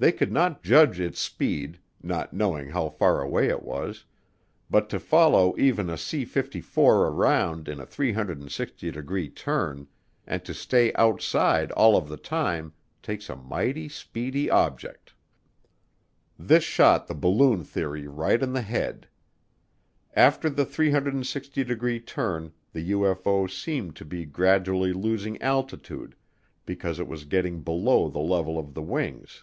They could not judge its speed, not knowing how far away it was, but to follow even a C 54 around in a 360 degree turn and to stay outside all of the time takes a mighty speedy object. This shot the balloon theory right in the head. After the 360 degree turn the UFO seemed to be gradually losing altitude because it was getting below the level of the wings.